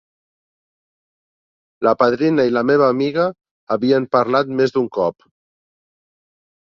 La padrina i la meva amiga havien parlat més d'un cop.